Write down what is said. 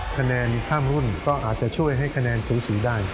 คะแนนข้ามรุ่นก็อาจจะช่วยให้คะแนนสูสีได้